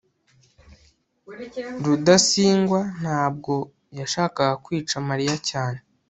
rudasingwa ntabwo yashakaga kwica mariya cyane